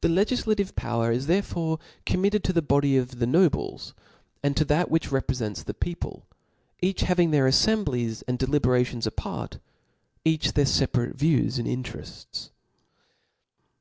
The legiflative power is therefore committed tb the body of the nobles, and to that which repfre fents the people, each having their aflcmblies and deliberations apart, each their feparate views and interefts.